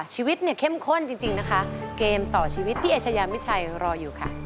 ชีวิตเนี่ยเข้มข้นจริงนะคะเกมต่อชีวิตพี่เอชยามิชัยรออยู่ค่ะ